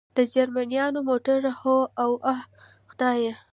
د جرمنیانو موټر؟ هو، اوه خدایه.